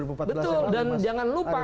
betul dan jangan lupa